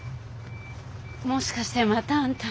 もしかしてまたあんた。